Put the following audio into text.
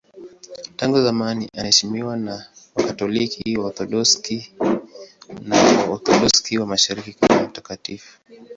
Tangu zamani anaheshimiwa na Wakatoliki, Waorthodoksi na Waorthodoksi wa Mashariki kama mtakatifu.